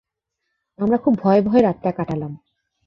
আমরা খুব ভয়ে-ভয়ে রাতটা কাটালাম।